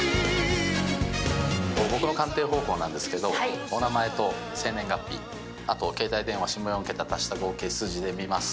僕の鑑定方法ですけどお名前と生年月日あと携帯電話下４桁足した合計数字で見ます。